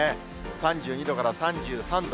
３２度から３３度。